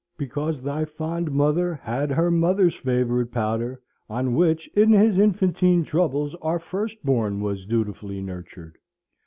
because thy fond mother had her mother's favourite powder, on which in his infantine troubles our firstborn was dutifully nurtured.